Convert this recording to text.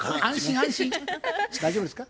大丈夫ですか？